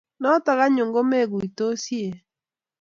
Notok anyun komekuitosie